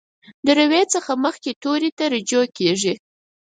د روي څخه مخکې توري ته رجوع کیږي.